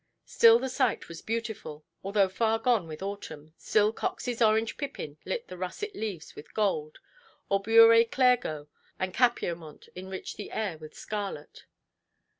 Still the sight was beautiful; although far gone with autumn, still Coxʼs orange–pippin lit the russet leaves with gold, or Beurré Clairgeau and Capiaumont enriched the air with scarlet.